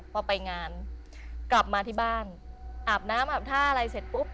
พอไปงานกลับมาที่บ้านอาบน้ำอาบท่าอะไรเสร็จปุ๊บ